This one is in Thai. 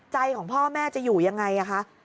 ใจของพ่อแม่จะอยู่อย่างไรคะ